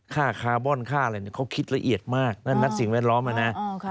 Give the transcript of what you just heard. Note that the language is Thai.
คาร์บอนค่าอะไรเขาคิดละเอียดมากนั่นนักสิ่งแวดล้อมอ่ะนะ